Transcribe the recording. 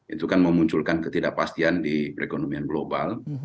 itu kan memunculkan ketidakpastian di perekonomian global